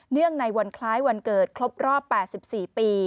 ในวันคล้ายวันเกิดครบรอบ๘๔ปี